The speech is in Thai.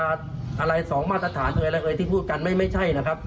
อะไรสองมาตรฐานอะไรที่พูดกันไม่ใช่นะครับ